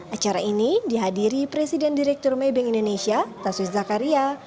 acara ini dihadiri presiden direktur my bank indonesia taswiz zakaria